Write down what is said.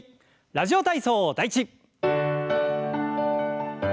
「ラジオ体操第１」。